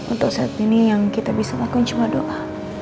untuk saat ini yang kita bisa lakukan cuma doa